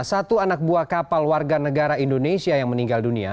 satu anak buah kapal warga negara indonesia yang meninggal dunia